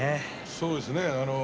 そうですね